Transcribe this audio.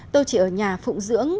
tôi chỉ ở nhà phụng dưỡng